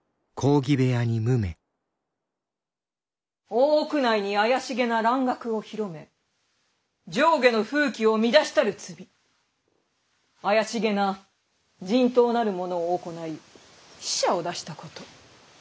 大奥内に怪しげな蘭学を広め上下の風紀を乱したる罪怪しげな人痘なるものを行い死者を出したこと。